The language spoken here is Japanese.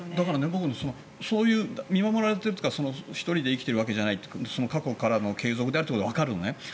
僕、そういう見守られているとか１人で生きているわけじゃない過去からの継続であるということはわかるのね。